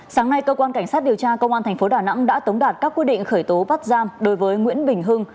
sáng nay cơ quan cảnh sát điều tra công an tp đà nẵng đã tống đạt các quyết định khởi tố bắt giam đối với nguyễn bình hưng